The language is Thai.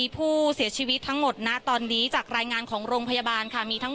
พูดสิทธิ์ข่าวธรรมดาทีวีรายงานสดจากโรงพยาบาลพระนครศรีอยุธยาครับ